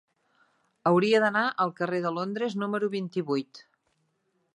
Hauria d'anar al carrer de Londres número vint-i-vuit.